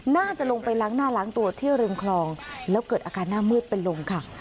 น่าจะลงไปล้างหน้าล้างตัวที่ริมคลองแล้วเกิดอาการหน้ามืดเป็นลมค่ะ